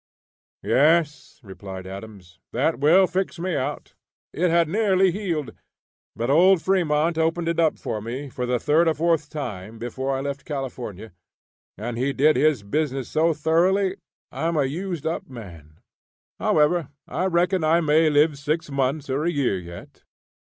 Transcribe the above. "Yes," replied Adams, "that will fix me out. It had nearly healed; but old Fremont opened it for me, for the third or fourth time, before I left California, and he did his business so thoroughly, I'm a used up man. However, I reckon I may live six months or a year yet."